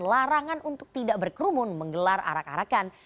larangan untuk tidak berkerumun menggelar arak arakan